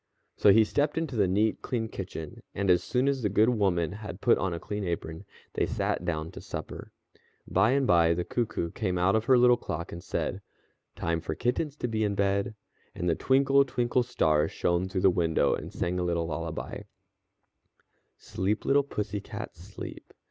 So he stepped into the neat, clean kitchen, and as soon as the good woman had put on a clean apron, they sat down to supper. By and by the cuckoo came out of her little clock and said: "Time for kittens to be in bed," and the twinkle, twinkle star shone through the window, and sang a little lullaby: "_Sleep, little pussy cat, sleep.